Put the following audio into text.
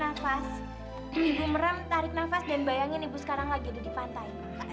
nafas ibu meram tarik nafas dan bayangin ibu sekarang lagi ada di pantai